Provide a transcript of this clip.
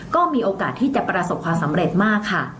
ก็มีโอกาสที่จะประสบความสำเร็จมากค่ะ